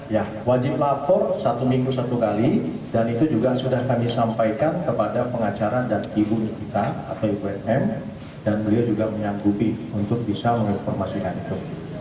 ya wajib lapor satu minggu satu kali dan itu juga sudah kami sampaikan kepada pengacara dan ibu nikita atau ibun dan beliau juga menyanggupi untuk bisa menginformasikan itu